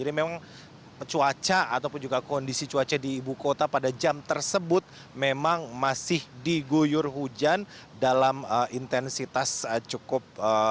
ini memang cuaca ataupun juga kondisi cuaca di ibu kota pada jam tersebut memang masih diguyur hujan dalam intensitas cukup